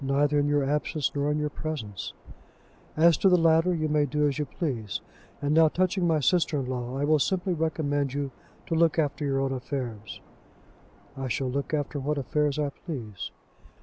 "Neither in your absence nor in your presence." "As to the latter you may do as you please. And now touching my sister in law, I will simply recommend you to look after your own affairs." "I shall look after what affairs I please."